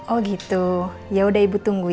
oh gitu yaudah ibu tunggu